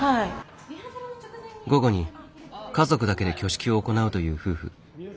午後に家族だけで挙式を行うという夫婦。